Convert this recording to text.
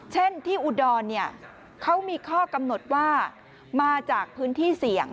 เช่นที่อุดรเขามีข้อกำหนดว่ามาจากพื้นที่เสี่ยง